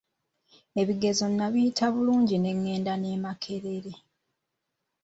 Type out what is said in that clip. Ebigezo nabiyita bulungi ne ngenda n'e Makerere.